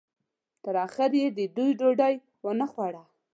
تر اخره یې د دوی ډوډۍ ونه خوړه.